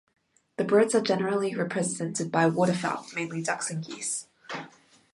The birds are generally represented by waterfowl, mainly ducks and geese.